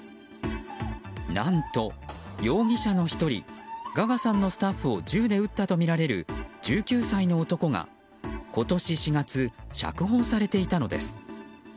何と、容疑者の１人ガガさんのスタッフを銃で撃ったとみられる１９歳の男が今年４月、釈放されていたのです。